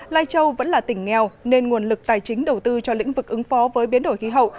lai châu vẫn là tỉnh nghèo nên nguồn lực tài chính đầu tư cho lĩnh vực ứng phó với biến đổi khí hậu